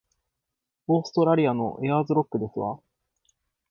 オーストラリアのエアーズロックですわ